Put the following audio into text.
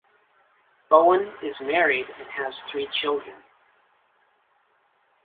Bowen is married and has three children.